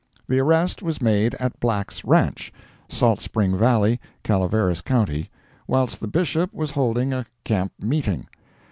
The arrest was made at Black's ranch, Salt Spring Valley, Calaveras county, whilst the Bishop was holding a camp meeting.